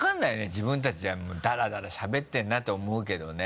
自分たちじゃだらだらしゃべってるなって思うけどね。